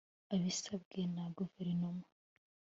abisabwe na Guverinoma